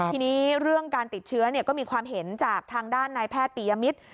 ทีนี้เรื่องการติดเชื้อก็มีความเห็นจากทางด้านนายแพทย์ปียมิตร